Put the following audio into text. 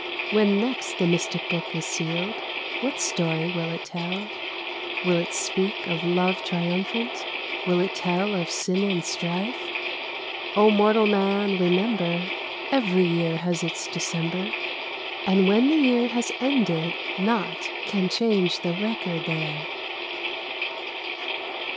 When next the mystic book is sealed, what story will it tell? Will it speak of love triumphant, will it tell of sin and strife? O mortal man, remember Every year has its December, And when the year has ended naught can change the record there.